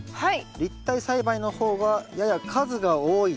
立体栽培の方がやや数が多いという。